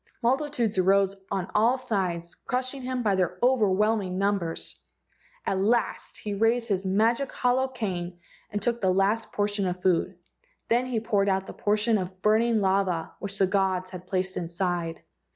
Multitudes arose on all sides, crushing him by their overwhelming numbers. At last he raised his magic hollow cane and took the last portion of food. Then he poured out the portion of burning lava which the gods had placed inside.